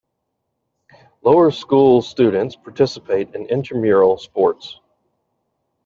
Lower school students participate in intramural sports.